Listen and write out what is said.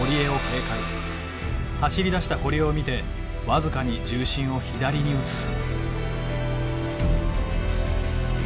走りだした堀江を見て僅かに重心を左に移す。